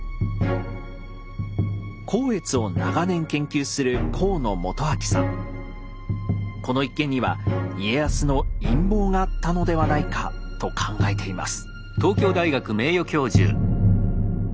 光悦を長年研究するこの一件には家康の陰謀があったのではないかと考えています。